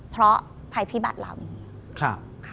เพราะภัยพิบัตรเรา